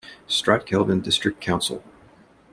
Stratkelvin district council.